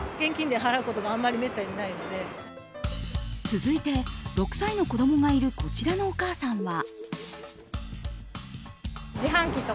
続いて６歳の子供がいるこちらのお母さんは。